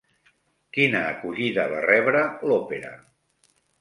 Quina acollida va rebre l'òpera?